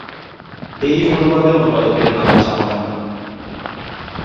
এই অনুবাদে অনুবাদকের নাম ছাপা হয়নি।